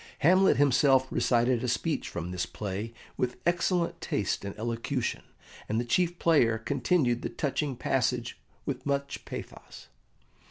Hamlet himself recited a speech from this play with excellent taste and elocution, and the chief player continued the touching passage with much pathos.